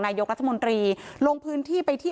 นายกรัฐมนตรีลงพื้นที่ไปที่